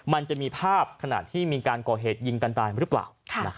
มันจะมีภาพขณะที่มีการก่อเหตุยิงกันตายหรือเปล่า